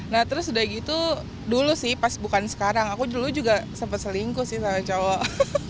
nah terus udah gitu dulu sih pas bukan sekarang aku dulu juga sempat selingkuh sih sama cowok